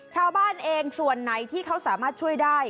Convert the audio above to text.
ชาวบ้านเองส่วนไหนที่เขาสามารถช่วยได้